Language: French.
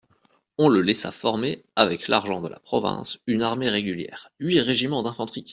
On le laissa former, avec l'argent de la province, une armée régulière, huit régiments d'infanterie.